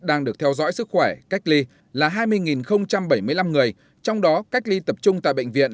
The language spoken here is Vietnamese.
đang được theo dõi sức khỏe cách ly là hai mươi bảy mươi năm người trong đó cách ly tập trung tại bệnh viện